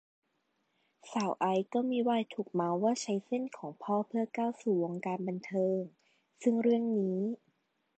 สาวไอซ์ก็มิวายถูกเมาท์ว่าใช้เส้นของพ่อเพื่อก้าวเข้าสู่วงการบันเทิง ซึ่งเรื่องนี้